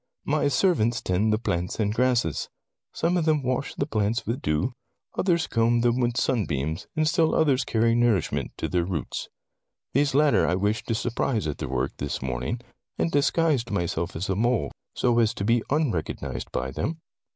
"My servants tend the plants and grasses. Some of them wash the plants with dew, others comb them with sunbeams, and still others carry nourishment to their roots. These latter I wished to surprise at their work, this morning, and disguised myself as a mole so as to be unrecognized by them.